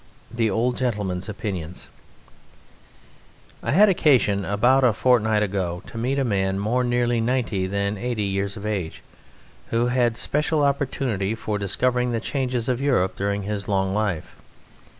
The Old Gentleman's Opinions I had occasion about a fortnight ago to meet a man more nearly ninety than eighty years of age, who had had special opportunity for discovering the changes of Europe during his long life.